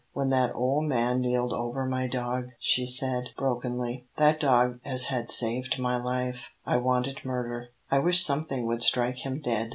"When that ole man keeled over my dog," she said, brokenly, "that dog as had saved my life, I wanted murder. I wished something would strike him dead.